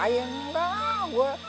gue istirahat aja sebentar